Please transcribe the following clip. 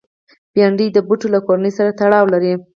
بېنډۍ د بوټو له کورنۍ سره تړاو لري